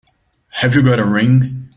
Have you got a ring?